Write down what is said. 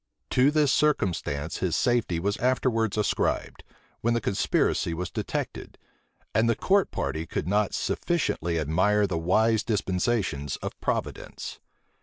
To this circumstance his safety was afterwards ascribed, when the conspiracy was detected; and the court party could not sufficiently admire the wise dispensations of Providence.